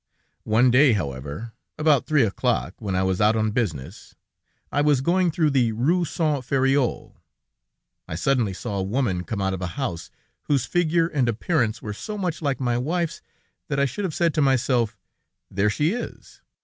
One day, however, about three o'clock, when I was out on business, as I was going through the Rue Saint Ferréol, I suddenly saw a woman come out of a house, whose figure and appearance were so much like my wife's that I should have said to myself: 'There she is!'